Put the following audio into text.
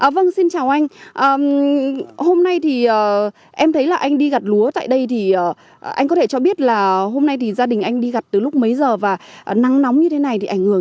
vâng xin chào anh hôm nay thì em thấy là anh đi gặt lúa tại đây thì anh có thể cho biết là hôm nay thì gia đình anh đi gặt từ lúc mấy giờ và nắng nóng như thế này thì ảnh hưởng